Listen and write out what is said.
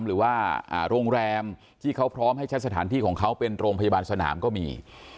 หรือว่าโรงแรมที่เขาพร้อมให้ใช้สถานที่ของเขาเป็นโรงพยาบาลสนามก็มี